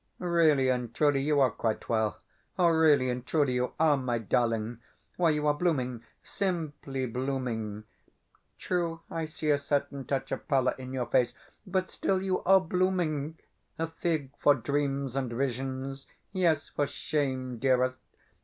Really and truly you are quite well; really and truly you are, my darling. Why, you are blooming simply blooming. True, I see a certain touch of pallor in your face, but still you are blooming. A fig for dreams and visions! Yes, for shame, dearest!